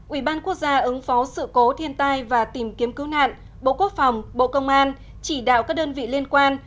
chín ubnd ứng phó sự cố thiên tai và tìm kiếm cứu nạn bộ quốc phòng bộ công an chỉ đạo các đơn vị liên quan